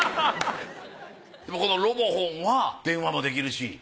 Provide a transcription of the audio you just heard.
このロボホンは電話もできるし。